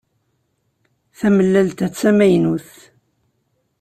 Tamellalt-a d tamaynut.